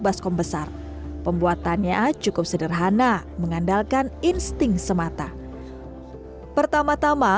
baskom besar pembuatannya cukup sederhana mengandalkan insting semata pertama tama